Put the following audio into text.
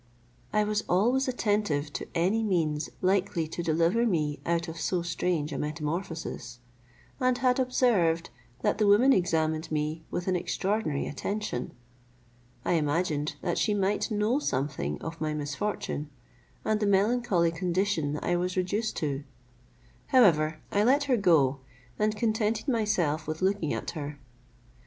I was always attentive to any means likely to deliver me out of so strange a metamorphosis, and had observed that the woman examined me with an extraordinary attention. I imagined that she might know something of my misfortune, and the melancholy condition I was reduced to: however, I let her go, and contented myself with looking at her.